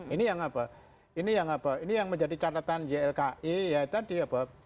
ini yang apa ini yang menjadi catatan ylki ya tadi apa